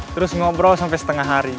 terus ngobrol sampai setengah hari